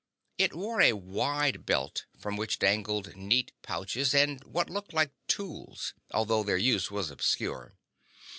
It wore a wide belt from which dangled neat pouches and what looked like tools, although their use was obscure.